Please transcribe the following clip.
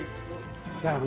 ya mudah mudahan saja